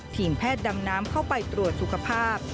ทีมแพทย์ดำน้ำเข้าไปตรวจสุขภาพ